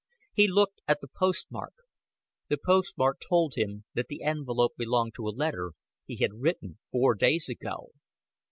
He looked at the postmark. The postmark told him that the envelope belonged to a letter he had written four days ago.